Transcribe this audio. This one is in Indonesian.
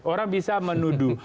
orang bisa menuduh